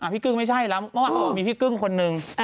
กึ้งไม่ใช่แล้วเมื่อวานมีพี่กึ้งคนหนึ่ง